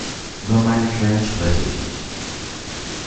Über meine Quellen spreche ich nicht.